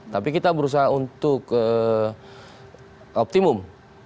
tapi kita berusaha untuk optimum